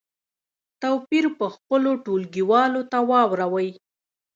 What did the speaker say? توپیر په خپلو ټولګیوالو ته واوروئ.